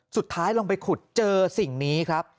สุดท้ายลงไปขุดเจอสิ่งนี้ครับ